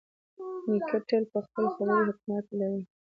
نیکه تل په خپلو خبرو کې حکمت لري.